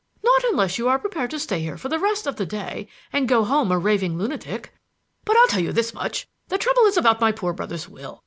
"Not unless you are prepared to stay here for the rest of the day and go home a raving lunatic. But I'll tell you this much: the trouble is about my poor brother's will.